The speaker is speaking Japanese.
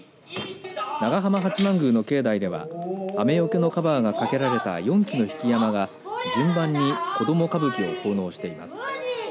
長浜八幡宮の境内では雨よけのカバーが掛けられた４基の曳山が順番に子ども歌舞伎を奉納しています。